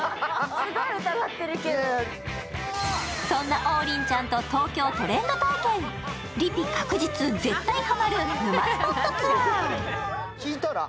そんな王林ちゃんと東京トレンド体験。